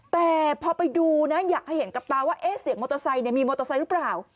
แต่พอไปดูนะอยากให้เห็นกับตาว่าเสียงมอเตอร์ไซค์มีมอเตอร์ไซค์หรือเปล่า